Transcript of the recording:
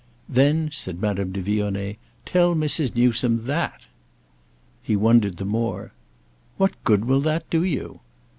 "Then," said Madame de Vionnet, "tell Mrs. Newsome that!" He wondered the more. "What good will that do you?"